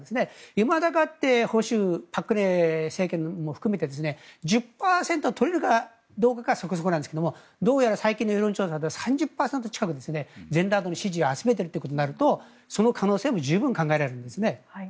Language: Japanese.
いまだかつて保守朴槿惠政権も含めて１０％取れるかどうかがそこそこなんですがどうやら最近の世論調査では３０％近くが全羅道の支持を集めているということになるとその可能性も十分考えられるんですね。